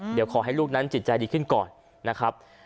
เดี๋ยวขอให้ลูกนั้นจิตใจดีขึ้นก่อนนะครับ